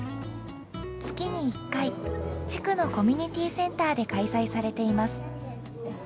月に１回地区のコミュニティーセンターで開催されています。